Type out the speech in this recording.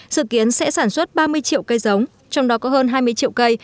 dự kiến sẽ sản xuất ba mươi triệu cây giống trong đó có hơn hai mươi triệu cây